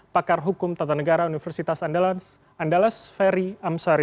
pakar hukum tata negara universitas andalas ferry amsari